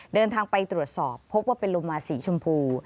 เดินทางไปตรวจสอบพบว่าเป็นโลมาสีชมพู